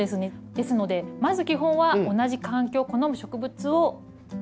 ですのでまず基本は同じ環境を好む植物を選ぶ。